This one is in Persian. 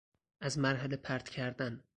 از مرحله پرت کردن